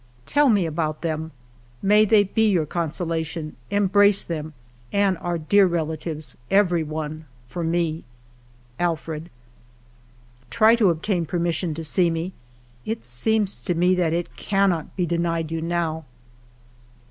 Tell me about them. ALFRED DREYFUS 27 May they be your consolation. Embrace them and our dear relatives, every one, for me. Alfred. " Try to obtain permission to see me. It seems to me that it cannot be denied you now."